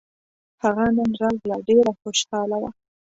هغه نن راغله ډېره خوشحاله وه